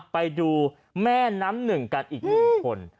ไปดูแม่น้ำหนึ่งกันอีกหนึ่งคน